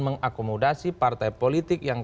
mengakomodasi partai politik yang